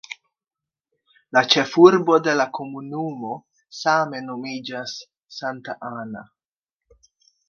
La ĉefurbo de la komunumo same nomiĝas "Santa Ana".